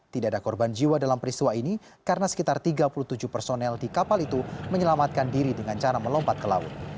tidak ada korban jiwa dalam peristiwa ini karena sekitar tiga puluh tujuh personel di kapal itu menyelamatkan diri dengan cara melompat ke laut